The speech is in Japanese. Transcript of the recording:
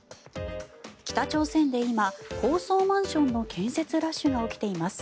北朝鮮で今、高層マンションの建設ラッシュが起きています。